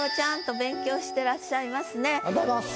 ありがとうございます。